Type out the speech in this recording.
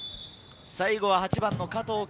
最後、８番の加藤圭